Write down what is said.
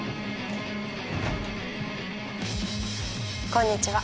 こんにちは。